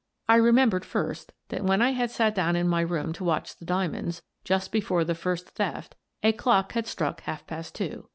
I remembered, first, that when I had sat down in my room to watch the diamonds, just before the first theft, a clock had struck half past two.